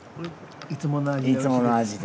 いつもの味で。